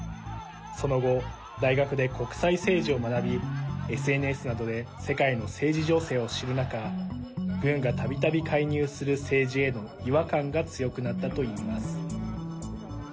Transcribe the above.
その後、大学で国際政治を学びＳＮＳなどで世界の政治情勢を知る中軍がたびたび介入する、政治への違和感が強くなったといいます。